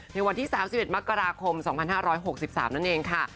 ในวันที่๓๑มกราคม๒๕๖๓นั่นเองค่ะ